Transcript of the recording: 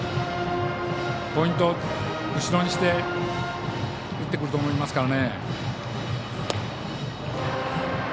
ポイントを後ろにして打ってくると思います。